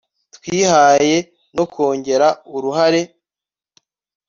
twihaye no kongera uruhare